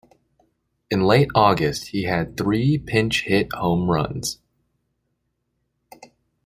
In late August, he had three pinch-hit home runs.